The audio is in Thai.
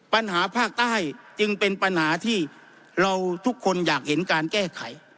ปัญหาภาคใต้จึงเป็นปัญหาที่เราทุกคนอยากเห็นการแก้ไข